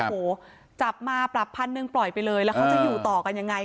โอ้โหจับมาปรับพันหนึ่งปล่อยไปเลยแล้วเขาจะอยู่ต่อกันยังไง